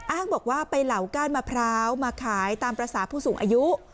อ้างบอกว่าไปเหล่าก้านมะพร้าวมาขายตามภาษาผู้สูงอายุ